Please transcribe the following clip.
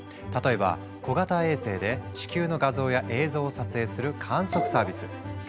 例えば小型衛星で地球の画像や映像を撮影する観測サービス。